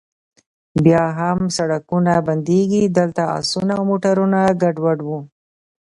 بیا هم سړکونه بندیږي، دلته اسونه او موټرونه ګډوډ و.